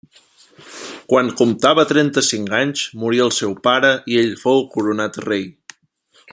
Quan comptava trenta-cinc anys morí el seu pare i ell fou coronat rei.